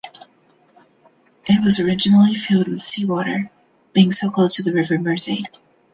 It was originally filled with sea water, being so close to the River Mersey.